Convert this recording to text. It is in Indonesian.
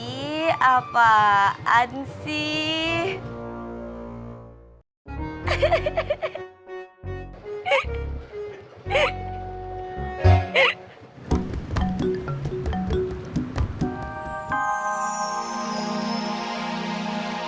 ih apaan sih